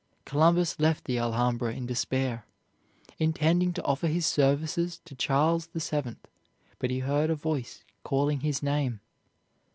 Columbus left the Alhambra in despair, intending to offer his services to Charles VII., but he heard a voice calling his name.